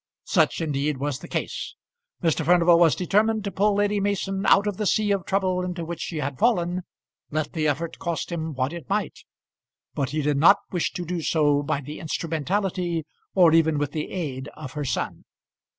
Such, indeed, was the case. Mr. Furnival was determined to pull Lady Mason out of the sea of trouble into which she had fallen, let the effort cost him what it might, but he did not wish to do so by the instrumentality, or even with the aid, of her son.